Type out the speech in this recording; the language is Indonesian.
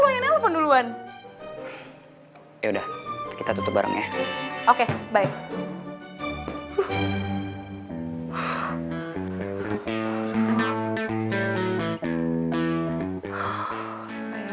ya udah kita tutup bareng ya oke bye